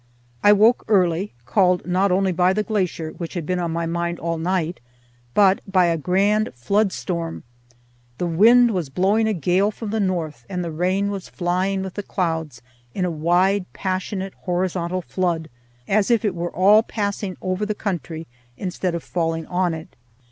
I awoke early, called not only by the glacier, which had been on my mind all night, but by a grand flood storm. The wind was blowing a gale from the north and the rain was flying with the clouds in a wide passionate horizontal flood, as if it were all passing over the country instead of falling on it.